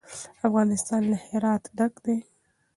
افغانستان له هرات ډک دی.